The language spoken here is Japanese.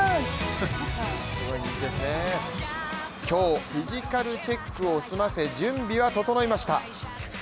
今日、フィジカルチェックを済ませ準備は整いました。